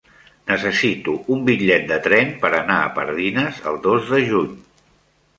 Necessito un bitllet de tren per anar a Pardines el dos de juny.